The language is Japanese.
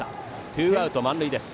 ツーアウト満塁です。